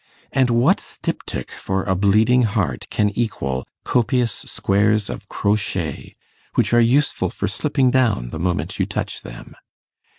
And what styptic for a bleeding heart can equal copious squares of crochet, which are useful for slipping down the moment you touch them?